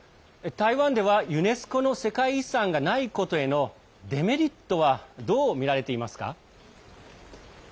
台湾では、ユネスコの世界遺産がないことへのデメリットはどうみられていますか？